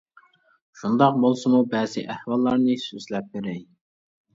شۇنداق بولسىمۇ بەزى ئەھۋاللارنى سۆزلەپ بېرەي.